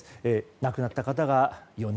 亡くなった方が４人。